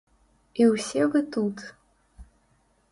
І ўсе вы тут!